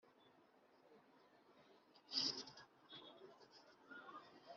Ibisabwa guhinduka bigomba kuba byagejejwe yo ejo